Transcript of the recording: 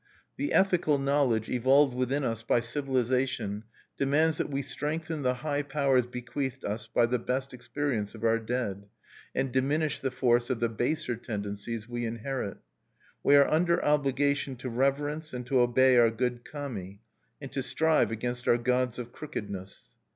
The ethical knowledge evolved within us by civilization demands that we strengthen the high powers bequeathed us by the best experience of our dead, and diminish the force of the baser tendencies we inherit. We are under obligation to reverence and to obey our good Kami, and to strive against our gods of crookedness.